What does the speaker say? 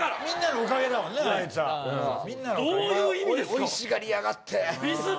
おいしがりやがって！